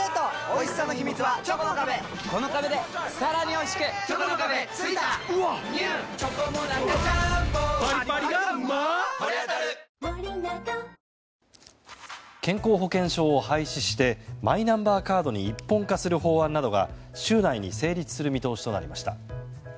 お化けフォーク⁉健康保険証を廃止してマイナンバーカードに一本化する法案などが週内に成立する見通しとなりました。